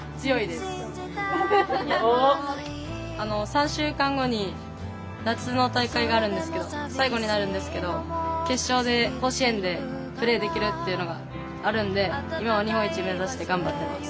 ３週間後に夏の大会があるんですけど最後になるんですけど決勝で甲子園でプレーできるっていうのがあるんで今は日本一目指して頑張ってます。